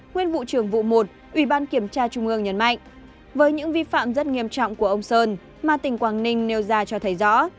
nguyên vụ trưởng vụ một ủy ban kiểm tra trung ương nhấn mạnh với những vi phạm rất nghiêm trọng của ông sơn mà tỉnh quảng ninh nêu ra cho thấy rõ